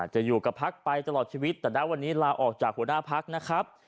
จะอยู่กับพักไปตลอดชีวิตแต่ณวันนี้ลาออกจากหัวหน้าพักนะครับ